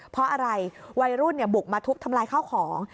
เพราะอะไรวัยรุ่นบุกมาทุบทำลายข้าวของ